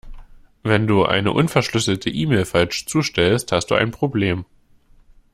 Wenn du eine unverschlüsselte E-Mail falsch zustellst, hast du ein Problem.